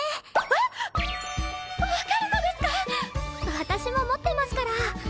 私も持ってますから。